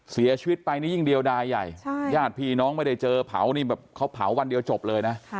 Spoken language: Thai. เสียชีวิตไปนี่ยิ่งเดียวดายใหญ่ญาติพี่น้องไม่ได้เจอเผานี่แบบเขาเผาวันเดียวจบเลยนะ